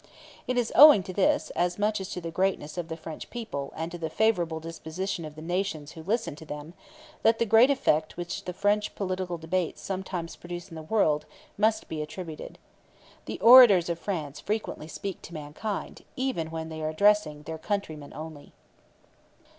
It is owing to this, as much as to the greatness of the French people, and the favorable disposition of the nations who listen to them, that the great effect which the French political debates sometimes produce in the world, must be attributed. The orators of France frequently speak to mankind, even when they are addressing their countrymen only.